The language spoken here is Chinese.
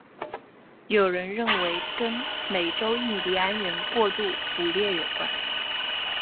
有人认为跟美洲印第安人过度捕猎有关。